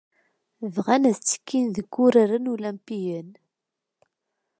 Bɣan ad ttekkin deg Uraren Ulampiyen.